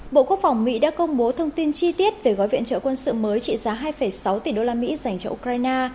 bộ quốc phòng mỹ đã công bố thông tin chi tiết về gói viện trợ quân sự mới trị giá hai sáu tỷ đô la mỹ dành cho ukraine